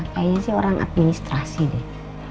kayaknya sih orang administrasi deh